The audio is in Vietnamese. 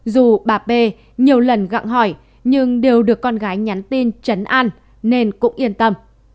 dù bà p nhiều lần gặng hỏi nhưng đều được con gái nhắn tin chấn an nên cũng yên tâm